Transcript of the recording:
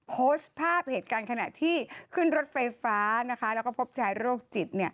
โพสต์ภาพเหตุการณ์ขณะที่ขึ้นรถไฟฟ้าแล้วก็พบชายโรคจิต